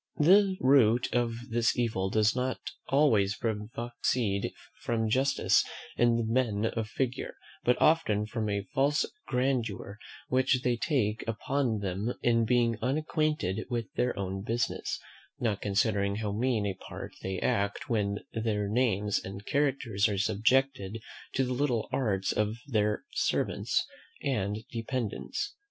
The root of this evil does not always proceed from injustice in the men of figure, but often from a false grandeur which they take upon them in being unacquainted with their own business; not considering how mean a part they act when their names and characters are subjected to the little arts of their servants and dependants.